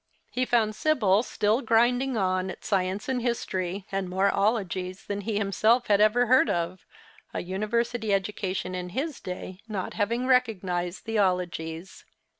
He found Sibyl still grinding on at science and history, and more 'ologies than he himself had ever heard of, a university education in his day not having recognized the 'ologies.